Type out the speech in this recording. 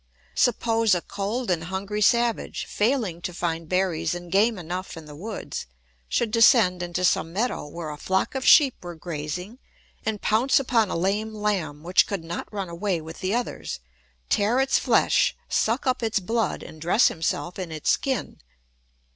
] Suppose a cold and hungry savage, failing to find berries and game enough in the woods, should descend into some meadow where a flock of sheep were grazing and pounce upon a lame lamb which could not run away with the others, tear its flesh, suck up its blood, and dress himself in its skin.